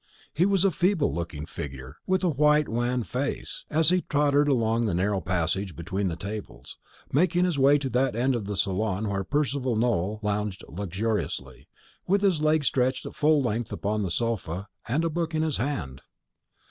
He was a feeble looking figure, with a white wan face, as he tottered along the narrow passage between the tables, making his way to that end of the saloon where Percival Nowell lounged luxuriously, with his legs stretched at full length upon the sofa, and a book in his hand.